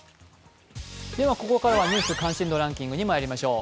ここからは「ニュース関心度ランキング」にまいりましょう。